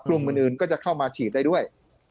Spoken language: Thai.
กลุ่มอื่นก็จะเข้ามาฉีดได้ด้วย